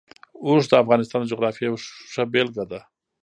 اوښ د افغانستان د جغرافیې یوه ښه بېلګه ده.